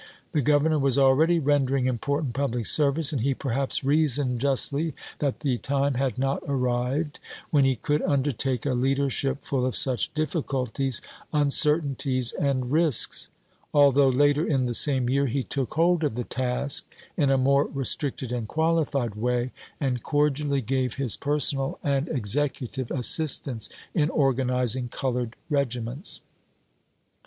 The Governor was already rendering important public service, and he perhaps reasoned justly that the time had not arrived when he could undertake a leadership full of such difficulties, un certainties, and risks; although later in the same year he took hold of the task in a more restricted and qualified way, and cordially gave his personal and executive assistance in organizing colored regiments.